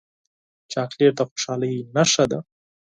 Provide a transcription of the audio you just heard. چاکلېټ د خوشحالۍ نښه ده.